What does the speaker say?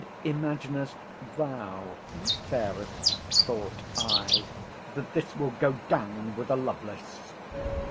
And imaginest thou, fairest, thought I, that this will go down with a Lovelace?